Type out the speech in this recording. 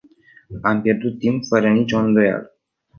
Am pierdut timp, fără nicio îndoială.